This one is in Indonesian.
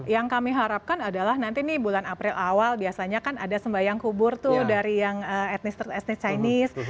yang kami harapkan adalah nanti nih bulan april awal biasanya kan ada sembahyang kubur tuh dari yang etnis etnis chinese